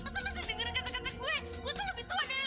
berantem kayak gini